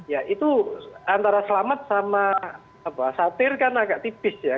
ya itu antara selamat sama satir kan agak tipis ya